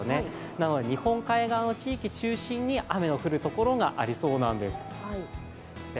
なので、日本海側の地域中心に雨の降るところがありそうなんです。